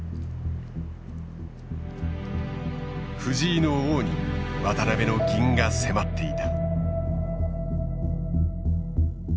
藤井の王に渡辺の銀が迫っていた。